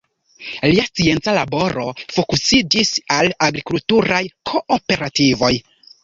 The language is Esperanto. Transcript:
Lia scienca laboro fokusiĝis al agrikulturaj kooperativoj.